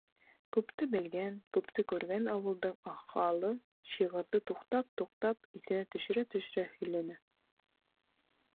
Күпте белгән, күпте күргән ауылдың аҡһаҡалы шиғырҙы туҡтап-туҡтап, иҫенә төшөрә-төшөрә һөйләне.